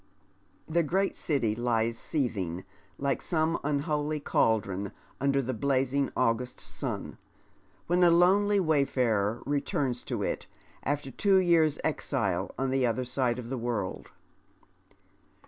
Tn^ great citj' lies seething like some unholy caldron under the blazing August sun, when a lonely wayfarer returns to it after two yeai's' exile on the other side of the world.